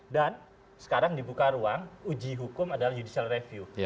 dan sekarang dibuka ruang uji hukum adalah judicial review